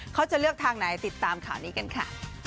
เขาจะเลือกทางไหนติดตามข่าวนี้กันค่ะ